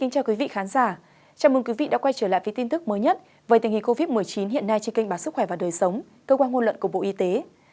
chào mừng quý vị đến quay trở lại với tin tức mới nhất về tình hình covid một mươi chín hiện nay trên kênh báo sức khỏe và đời sống cơ quan ngôn luận của bộ y tế